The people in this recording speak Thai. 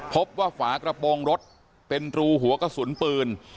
พบว่าฝากระโปรงรถเป็นรูหัวกระสุนปืน